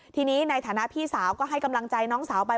ทีนี้ในฐานะพี่สาวก็ให้กำลังใจน้องสาวไป